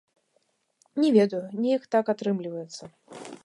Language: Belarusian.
Не ведаю, неяк так атрымліваецца.